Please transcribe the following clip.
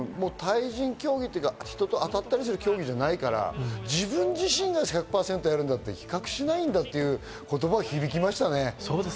対人競技というか当たったりする競技じゃないから、自分自身が１００％やるんだ、比較しないんだっていう言葉が響きましたね。